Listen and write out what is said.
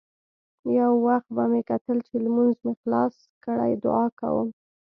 يو وخت به مې کتل چې لمونځ مې خلاص کړى دعا کوم.